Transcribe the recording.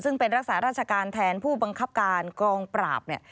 ซึ่งเป็นรักษาราชการแทนผู้บังคับการกองปราบเนี่ย